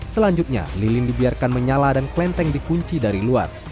selanjutnya lilin dibiarkan menyala dan klenteng dikunci dari luar